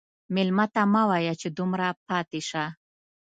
مېلمه ته مه وایه چې دومره پاتې شه.